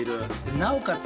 なおかつ